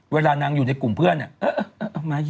เวลานางอยู่ในกลุ่มเพื่อนเนี่ย